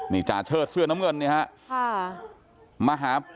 นี่จาเชิดเสื้อน้ำเงินเนี่ยฮะ